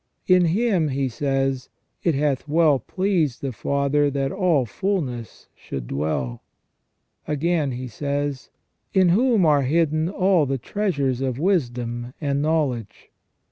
In Him," he says, " it hath well pleased the Father that all fulness should dwell." Again he says : "In whom are hidden all the treasures of wisdom and knowledge